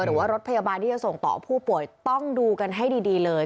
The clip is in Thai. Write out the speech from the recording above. หรือว่ารถพยาบาลที่จะส่งต่อผู้ป่วยต้องดูกันให้ดีเลย